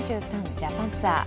ジャパンツアー」。